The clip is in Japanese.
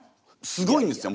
すごいんですよ